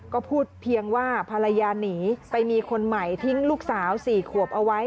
ก็พูดเพียงว่าภรรยาหนีไปมีคนใหม่ทิ้งลูกสาว๔ขวบเอาไว้